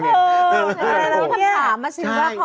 แล้วถามมาชินพระของ